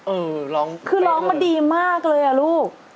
เออร้องดีด้วยคือร้องมาดีมากเลยลูก